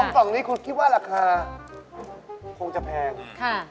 กล่องนี้คุณคิดว่าราคาคงจะแพง